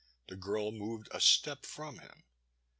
The girl moved a step from him.